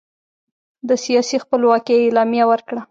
د سیاسي خپلواکۍ اعلامیه ورکړه.